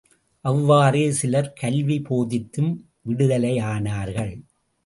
அவ்வாறே சிலர் கல்வி போதித்தும் விடுதலையானார்கள்.